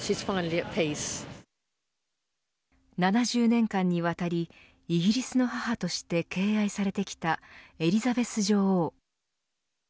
７０年間にわたりイギリスの母として敬愛されてきたエリザベス女王。